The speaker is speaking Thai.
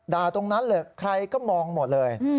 ตรงนั้นเลยใครก็มองหมดเลย